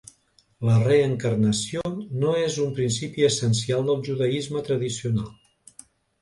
La reencarnació no és un principi essencial del judaisme tradicional.